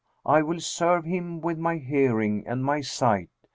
I will serve him with my hearing and my sight."